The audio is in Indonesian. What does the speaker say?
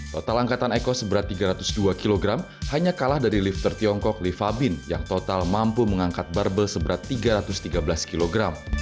total angkatan eko seberat tiga ratus dua kg hanya kalah dari lifter tiongkok lifabin yang total mampu mengangkat barbel seberat tiga ratus tiga belas kg